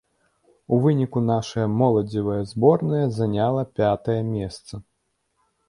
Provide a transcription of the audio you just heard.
У выніку нашая моладзевая зборная заняла пятае месца.